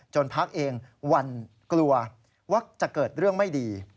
พักเองหวั่นกลัวว่าจะเกิดเรื่องไม่ดี